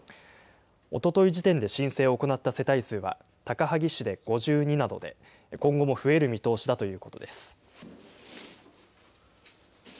おととい時点で申請を行った世帯数は高萩市で５２などで、今後も増える見通しだということです。